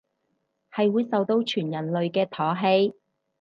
係會受到全人類嘅唾棄